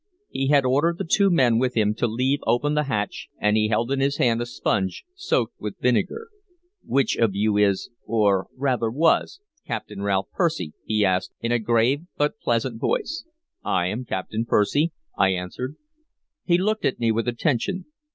He had ordered the two men with him to leave open the hatch, and he held in his hand a sponge soaked with vinegar. "Which of you is or rather was Captain Ralph Percy?" he asked, in a grave but pleasant voice. "I am Captain Percy," I answered. He looked at me with attention.